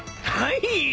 はい。